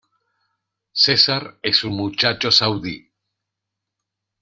Cesar es un muchacho saudí.